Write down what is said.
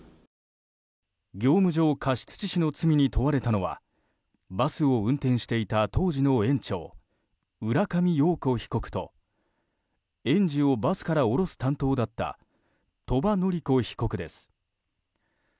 業務上過失致死の罪に問われたのはバスを運転していた当時の園長、浦上陽子被告と園児をバスから降ろす担当だった鳥羽詞子被告です。